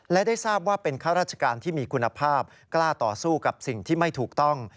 และได้ทราบว่าเป็นข้าราชการที่มีคุณภาพกล้าต่อสู้กับสิ่งที่ไม่ถูกต้อง